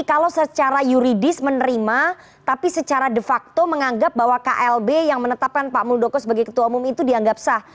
kalau secara yuridis menerima tapi secara de facto menganggap bahwa klb yang menetapkan pak muldoko sebagai ketua umum itu dianggap sah